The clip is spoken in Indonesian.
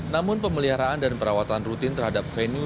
namun pemeliharaan dan perawatan rutin terhadap venue